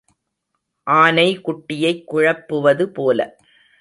ஆனை குட்டையைக் குழப்புவது போல.